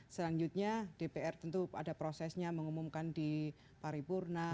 selanjutnya dpr tentu ada prosesnya mengumumkan di paripurna